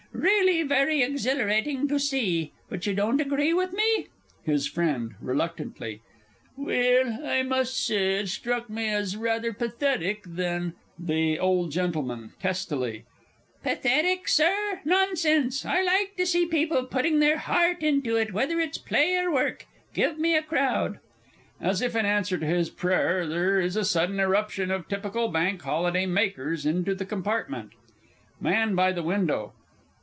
Really, very exhilarating to see but you don't agree with me? HIS FRIEND (reluctantly). Well, I must say it struck me as rather pathetic than THE O. G. (testily). Pathetic, Sir nonsense! I like to see people putting their heart into it, whether it's play or work. Give me a crowd [As if in answer to this prayer, there is a sudden irruption of typical Bank Holiday makers into the compartment. MAN BY THE WINDOW.